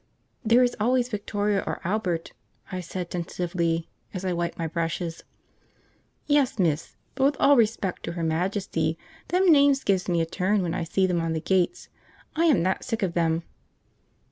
"There is always Victoria or Albert," I said tentatively, as I wiped my brushes. "Yes, miss, but with all respect to her Majesty, them names give me a turn when I see them on the gates, I am that sick of them."